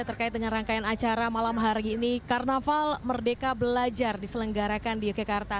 terkait dengan rangkaian acara malam hari ini karnaval merdeka belajar diselenggarakan di yogyakarta